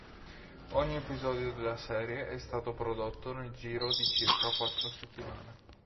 Ogni episodio della serie è stato prodotto nel giro di circa quattro settimane.